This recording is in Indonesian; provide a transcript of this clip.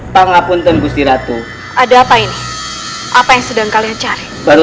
pada saat baru